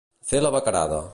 Fer la bequerada.